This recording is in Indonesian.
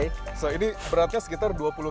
ini beratnya sekitar dua puluh kg